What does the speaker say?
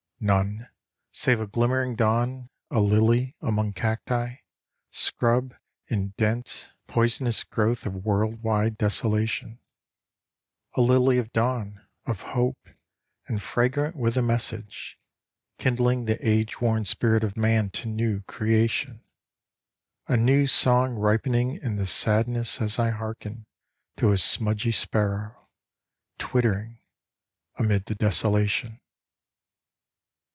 None, save a glimmering dawn, a lily among cacti, Scrub and dense poisonous growth of world wide desolation, A lily of dawn, of hope, and fragrant w r ith a message, Kindling the age worn spirit of man to new creation : A new song ripening in the sadness as I hearken To a smudgy sparrow twittering amid the desolation.